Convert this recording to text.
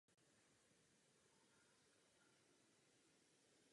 Měli bychom proto zajistit, aby byly vynakládány co nejefektivněji.